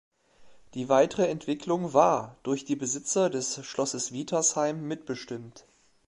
Die weitere Entwicklung war durch die Besitzer des Schlosses Wietersheim mitbestimmt.